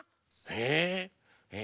え？